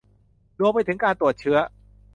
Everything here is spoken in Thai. รวมไปถึงการตรวจเชื้อ